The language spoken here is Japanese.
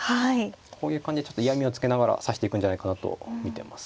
こういう感じでちょっと嫌みをつけながら指していくんじゃないかなと見てます。